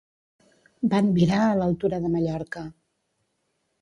Van virar a l'altura de Mallorca.